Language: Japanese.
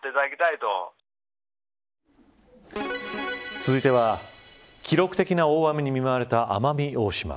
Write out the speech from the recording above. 続いては記録的な大雨に見舞われた奄美大島。